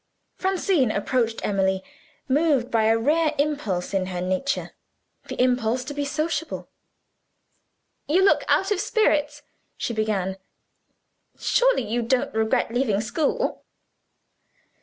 Francine approached Emily, moved by a rare impulse in her nature the impulse to be sociable. "You look out of spirits," she began. "Surely you don't regret leaving school?"